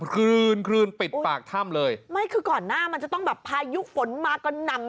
คืนคลืนปิดปากถ้ำเลยไม่คือก่อนหน้ามันจะต้องแบบพายุฝนมากระหน่ำ